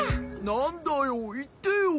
なんだよいってよ。